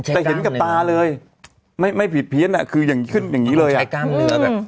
แต่เห็นกับตาเลยไม่ไม่ผิดเพียงอ่ะคือยังขึ้นอย่างงี้เลยอ่ะใช้กล้ามเหนือแบบ